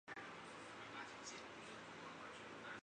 中国中央广播电视总台也有开播央视奥林匹克频道的计划。